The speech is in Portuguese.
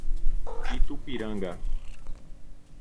Itupiranga